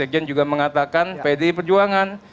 dan juga mengatakan pd perjuangan